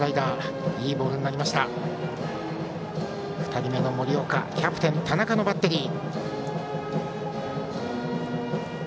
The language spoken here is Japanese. ２人目の森岡キャプテン田中のバッテリー。